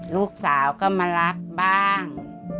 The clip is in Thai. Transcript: ลูกสาวก็มารักบ้าง